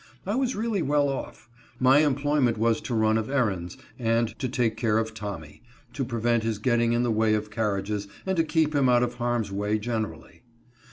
I was really well off. My employment was to run of errands, and to take care of Tommy ; to prevent his getting in the way of carriages, and to keep him out of harm's way gen erally.